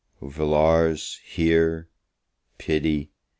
O Villars! hear! pity!